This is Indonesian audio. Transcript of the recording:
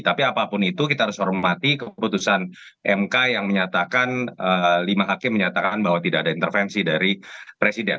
tapi apapun itu kita harus hormati keputusan mk yang menyatakan lima hakim menyatakan bahwa tidak ada intervensi dari presiden